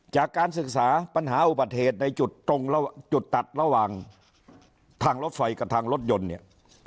จากการศึกษาปัญหาอุบัติเหตุในจุดตรงจุดตัดระหว่างทางรถไฟกับทางรถยนต์เนี่ย